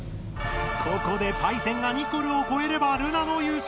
ここでパイセンがニコルをこえればルナの優勝！